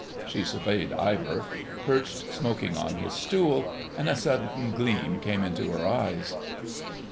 She surveyed Ivor, perched smoking on his stool, and a sudden gleam came into her eyes.